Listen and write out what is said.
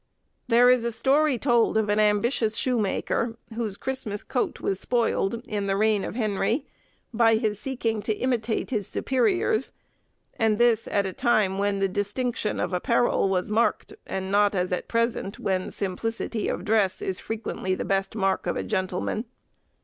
There is a story told of an ambitious shoemaker, whose Christmas coat was spoiled, in the reign of Henry, by his seeking to imitate his superiors; and this at a time when the distinction of apparel was marked, and not as at present, when simplicity of dress is frequently the best mark of a gentleman.